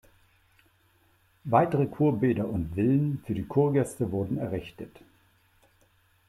Weitere Kurbäder und Villen für die Kurgäste wurden errichtet.